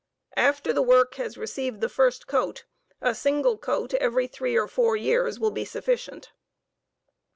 After the work has received the first coat, a single coat every three or four years will be sufficient.